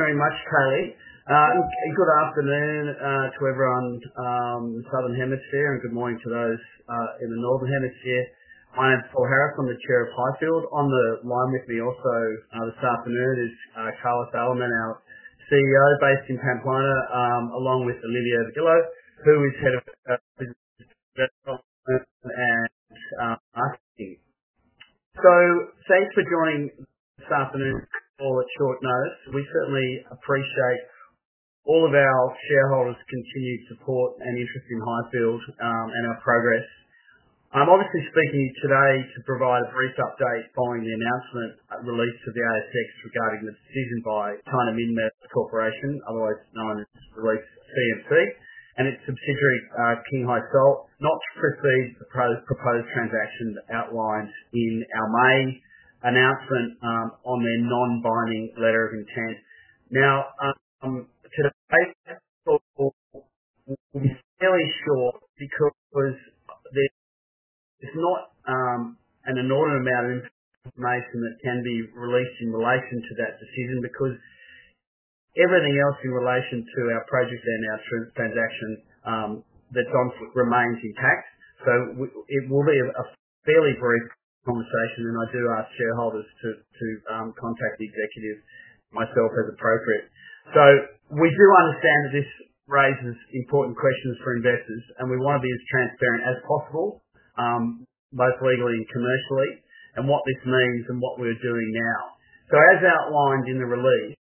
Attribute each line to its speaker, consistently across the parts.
Speaker 1: ...very much Carrie. Good afternoon to everyone in the Southern Hemisphere and good morning to those in the Northern Hemisphere. My name is Paul Harris. I'm the Chair of Highfield Resources Limited. On the line with me also this afternoon is Carles Alemán, our CEO based in Pamplona, along with Olivier Vadillo, who is Head of [Business] and Marketing. Thank you for joining this afternoon for a short note. We certainly appreciate all of our shareholders' continued support and interest in Highfield Resources Limited and our progress. I'm obviously speaking today to provide a brief update following the announcement released to the ASX regarding the decision by China Minmetals Corporation, otherwise known as CMC, and its subsidiary Qinghai Salt not to proceed with the proposed transaction outlined in our main announcement on their non-binding letter of intent. I'm going to be fairly short because there's not an inordinate amount of information that can be released in relation to that decision, because everything else in relation to our project and our transactions remains intact. It will be a fairly brief conversation, and I do ask shareholders to contact the executives or myself as appropriate. We do understand that this raises important questions for investors, and we want to be as transparent as possible, both legally and commercially, in what this means and what we're doing now. As outlined in the release,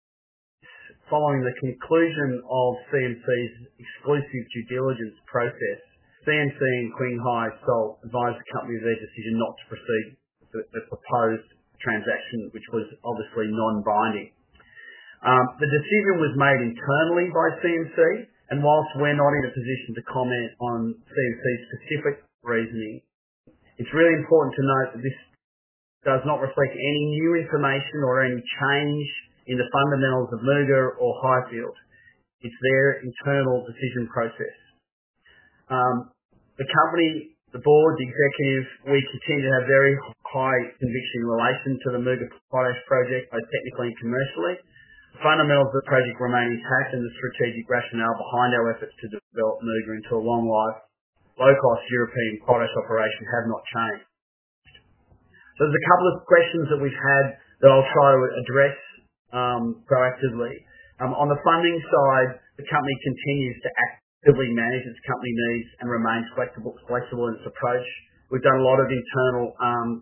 Speaker 1: following the conclusion of CMC's exclusive due diligence process, [CMC] and Qinghai Salt advised the company of their decision not to proceed with the proposed transaction, which was obviously non-binding. The decision was made internally by CMC, and whilst we're not in a position to comment on CMC's specific reasoning, it's really important to note that this does not reflect any new information or any change in the fundamentals of [Muga] or Highfield. It's their internal decision process. The company, the board, the executives, we continue to have very high conviction in relation to the Muga project both technically and commercially. The fundamentals of the project remain intact, and the strategic rationale behind our efforts to develop Muga into a long-lived, low-cost European potash operation have not changed. There are a couple of questions that we've had that I'll try to address proactively. On the funding side, the company continues to actively manage its company needs and remains flexible in its approach. We've done a lot of internal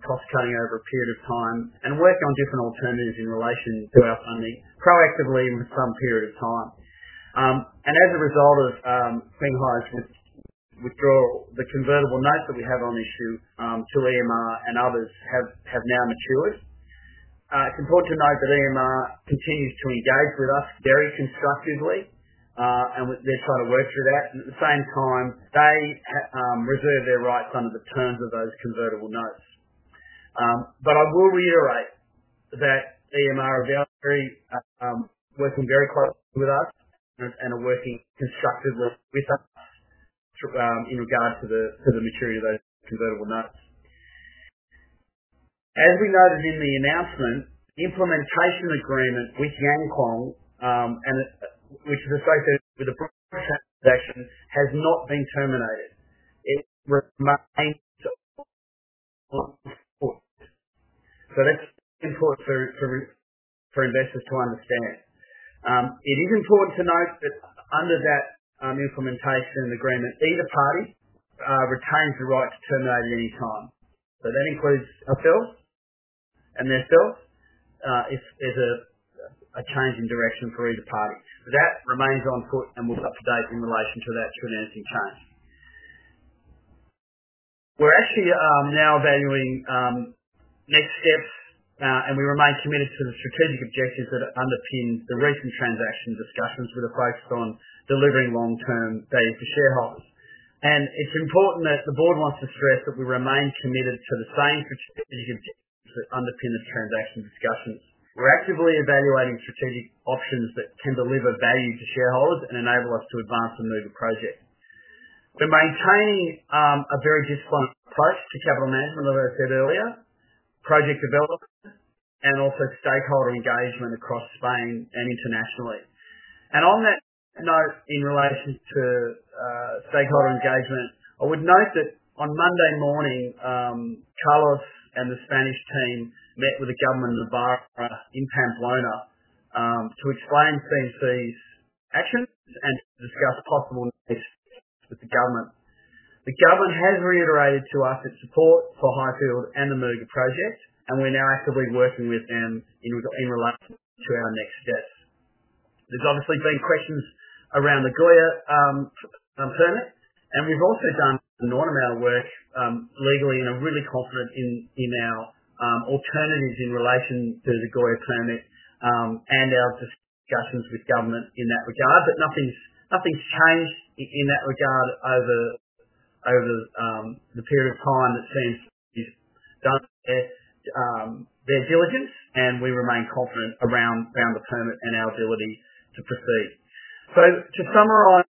Speaker 1: cost cutting over a period of time and work on different alternatives in relation to our funding proactively over some period of time. As a result Qinghai Salt's withdrawal, the convertible notes that we have on issue to EMR Capital and others have now matured. It's important to note that EMR Capital continues to engage with us very constructively, and they're trying to work through that. At the same time, they reserve their rights under the terms of those convertible notes. I will reiterate that EMR Capital are working very closely with us and are working constructively with us in regards to the maturity of those convertible notes. As we noted in the announcement, the implementation agreement with Yankuang, which is associated with the proposed transaction, has not been terminated. It remains. That's important for investors to understand. It is important to note that under that implementation agreement, either party retains the right to terminate at any time. That includes ourselves and themselves if there's a change in direction for either party. That remains on foot and will be up to date in relation to that financing change. We're actually now evaluating next steps, and we remain committed to the strategic objectives that underpin the recent transaction discussions with a focus on delivering long-term value to shareholders. It's important that the Board wants to stress that we remain committed to the same strategic objectives that underpin the transaction discussions. We're actively evaluating strategic options that can deliver value to shareholders and enable us to advance the Muga project. We're maintaining a very disciplined approach to capital management, as I said earlier, project development, and also stakeholder engagement across Spain and internationally. On that note, in relation to stakeholder engagement, I would note that on Monday morning, Carles and the Spanish team met with the government in the Barcrocs in Pamplona to explain CMC's actions and to discuss possible next steps with the government. The government has reiterated to us its support for Highfield Resources Limited and the Muga project, and we're now actively working with them in relation to our next steps. There have obviously been questions around the Goya, concerns, and we've also done an awful amount of work legally and are really confident in our alternatives in relation to the Goya permit and our discussions with government in that regard. Nothing's changed in that regard over the period of time that CMC has done their diligence, and we remain confident around the permit and our ability to proceed. To summarize,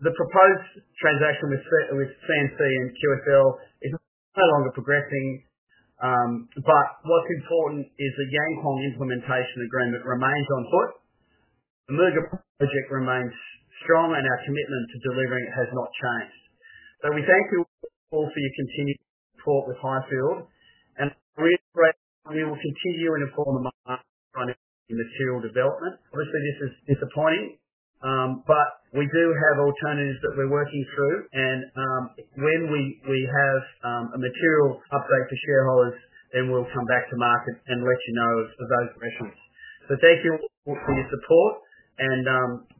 Speaker 1: the proposed transaction with CMC and QFL is no longer progressing, but what's important is the Yankuang implementation agreement remains on foot. The Muga project remains strong, and our commitment to delivering it has not changed. We thank you all for your continued support with Highfield, and we reiterate we will continue and inform the market on any material development. Obviously, this is disappointing, but we do have alternatives that we're working through, and when we have a material upgrade for shareholders, then we'll come back to market and let you know of those breakthroughs. Thank you all for your support, and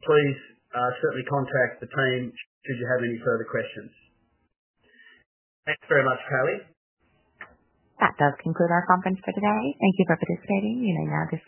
Speaker 1: please, certainly contact the team should you have any further questions. Thanks very much, Carrie.
Speaker 2: That does conclude our conference for today. Thank you for participating. You may now return.